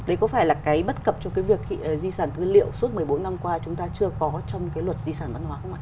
đấy có phải là cái bất cập trong cái việc di sản tư liệu suốt một mươi bốn năm qua chúng ta chưa có trong cái luật di sản văn hóa không ạ